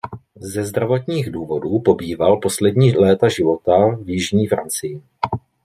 Ze zdravotních důvodů pobýval poslední léta života v jižní Francii.